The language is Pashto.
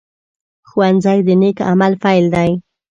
ښوونځی د نیک عمل پيل دی